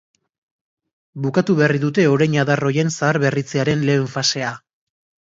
Bukatu berri dute orein adar horien zaharberritzearen lehen fasea.